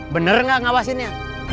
bener gak ngawasinnya